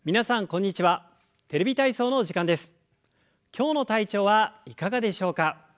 今日の体調はいかがでしょうか？